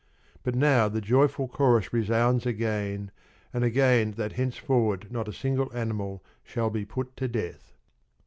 but now the joyful chorus resounds again and again that henceforward not a single animal shall be put to death.